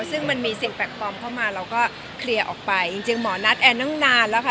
ซึ่งมันมีสิ่งแปลกปลอมเข้ามาเราก็เคลียร์ออกไปจริงหมอนัดแอนตั้งนานแล้วค่ะ